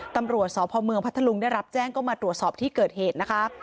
ตำรวจสพเมืองพัทธลุงได้รับแจ้งก็มาตรวจสอบที่เกิดเหตุนะคะ